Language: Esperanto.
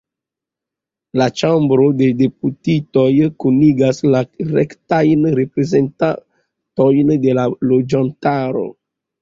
La Ĉambro de Deputitoj kunigas la rektajn reprezentantojn de la loĝantaro.